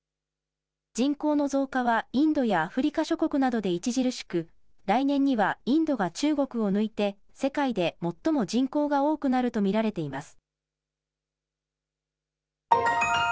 人口の増加はインドやアフリカ諸国などで著しく来年にはインドが中国を抜いて世界で最も人口が多くなると見られています。